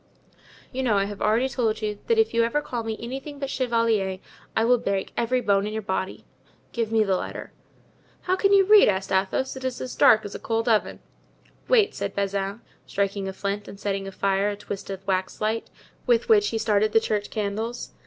"You know I have already told you that if you ever call me anything but chevalier I will break every bone in your body. Give me the letter." "How can you read?" asked Athos, "it is as dark as a cold oven." "Wait," said Bazin, striking a flint, and setting afire a twisted wax light, with which he started the church candles.